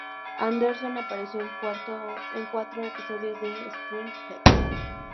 Anderson apareció en cuatro episodios de "Twin Peaks.